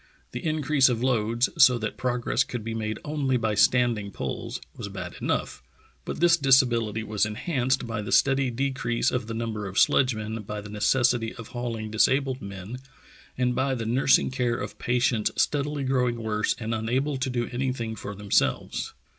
The increase of loads, so that progress could be made only by standing pulls, w^as bad enough, but this disabilit}' was enhanced by the steady decrease of the number of sledgemen, by the necessity of hauling 256 True Tales of Arctic Heroism disabled men, and by the nursing care of patients steadily growing worse and unable to do anything for themselves.